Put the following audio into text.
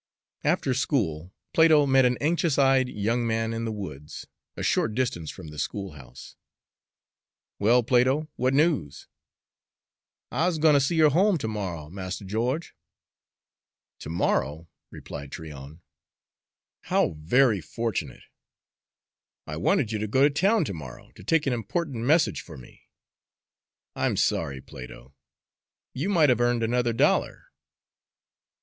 After school Plato met an anxious eyed young man in the woods a short distance from the schoolhouse. "Well, Plato, what news?" "I's gwine ter see her home ter morrer, Mars Geo'ge." "To morrow!" replied Tryon; "how very fortunate! I wanted you to go to town to morrow to take an important message for me. I'm sorry, Plato you might have earned another dollar."